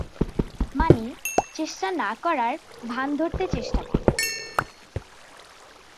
মানে, চেষ্টা না করার ভান ধরতে চেষ্টা করব।